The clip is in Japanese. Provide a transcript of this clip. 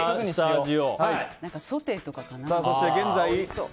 ソテーとかかな？